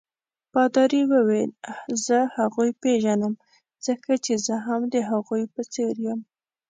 پادري وویل: زه هغوی پیژنم ځکه چې زه هم د هغوی په څېر یم.